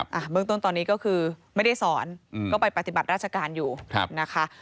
เบื้องต้นตอนนี้ก็คือไม่ได้สอนอืมก็ไปปฏิบัติราชการอยู่ครับนะคะ